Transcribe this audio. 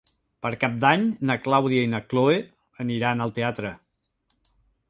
Per Cap d'Any na Clàudia i na Cloè aniran al teatre.